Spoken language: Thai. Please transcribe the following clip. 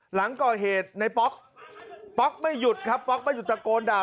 หลังก่อเหตุในป๊อกป๊อกไม่หยุดครับป๊อกไม่หยุดตะโกนด่า